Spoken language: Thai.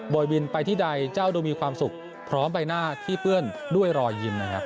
โดยบินไปที่ใดเจ้าดูมีความสุขพร้อมใบหน้าที่เปื้อนด้วยรอยยิ้มนะครับ